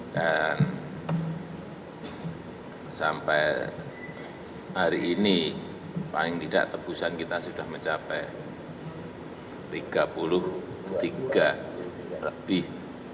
dan sampai hari ini paling tidak tebusan kita sudah mencapai tiga puluh tiga lebih